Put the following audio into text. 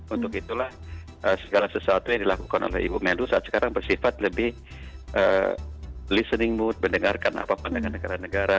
untuk itulah segala sesuatu yang dilakukan oleh ibu menlu saat sekarang bersifat lebih listening mood mendengarkan apa pandangan negara negara